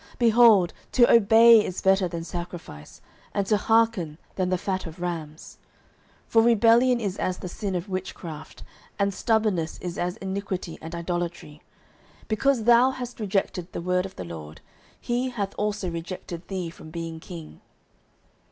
Behold, to obey is better than sacrifice, and to hearken than the fat of rams. 09:015:023 For rebellion is as the sin of witchcraft, and stubbornness is as iniquity and idolatry. Because thou hast rejected the word of the LORD, he hath also rejected thee from being king.